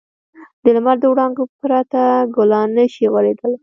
د لمر د وړانګو پرته ګلان نه شي غوړېدلی.